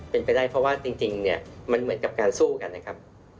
เป็นไปได้เพราะว่าจริงเนี่ยมันเหมือนกับการสู้กันนะครับ